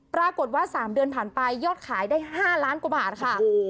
ปรากฏว่า๓เดือนผ่านไปยอดขายได้๕ล้านกว่าบาทค่ะ